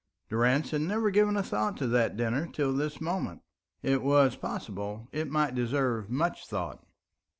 Durrance had never given a thought to that dinner till this moment. It was possible it might deserve much thought.